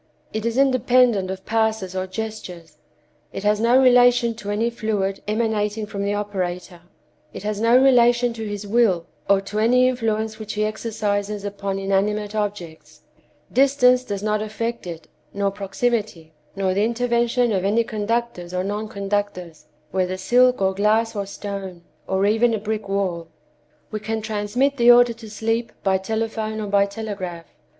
It is independent of passes or gestures; it has no relation to any fluid emanating from the operator; it has no relation to his will, or to any influence which he exercises upon inanimate objects; distance does not affect it, nor proximity, nor the intervention of any conductors or non conductors, whether silk or glass or stone, or even a brick wall. We can transmit the order to sleep by telephone or by telegraph.